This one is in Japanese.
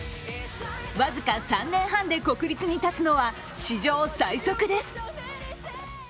僅か３年半で国立に立つのは史上最速です。